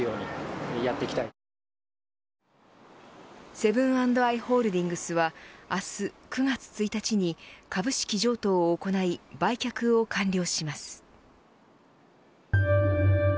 セブン＆アイ・ホールディングスは明日９月１日に株式譲渡を行い売却を完了します。